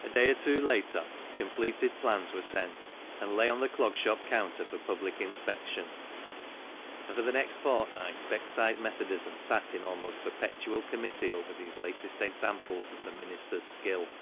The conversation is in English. A day or two later completed plans were sent, and lay on the Clog Shop counter for public inspection, and for the next fortnight Beckside Methodism sat in almost perpetual committee over these latest examples of the minister's skill.